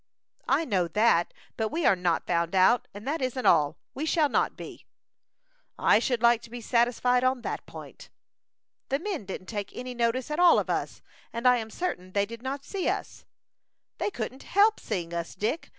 "I know that, but we are not found out; and that isn't all we shall not be." "I should like to be satisfied on that point." "The men didn't take any notice at all of us, and I am certain they did not see us." "They couldn't help seeing us, Dick.